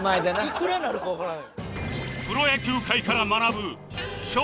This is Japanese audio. いくらになるかわからん。